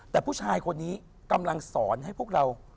แต่ผู้ชายคนนี้กำลังสอนให้พวกเรา